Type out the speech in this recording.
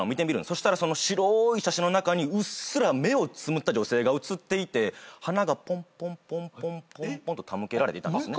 そしたらその白い写真の中にうっすら目をつむった女性が写っていて花がポンポンポンポンと手向けられていたんですね。